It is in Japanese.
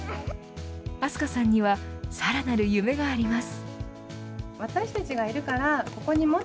明日香さんにはさらなる夢があります。